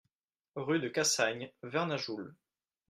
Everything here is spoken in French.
Rue de Cassagne, Vernajoul